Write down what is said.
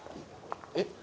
「えっ？」